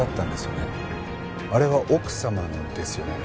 あれは奥様のですよね？